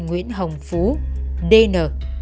nguyễn hồng phú dn